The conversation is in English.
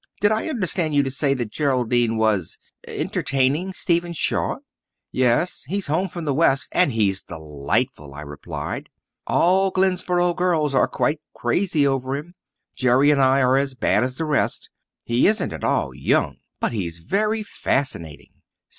"Did I understand you to say that Geraldine was entertaining Stephen Shaw?" "Yes. He's home from the west and he's delightful," I replied. "All the Glenboro girls are quite crazy over him. Jerry and I are as bad as the rest. He isn't at all young but he's very fascinating."